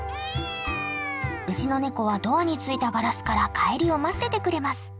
うちのネコはドアについたガラスから帰りを待っててくれます。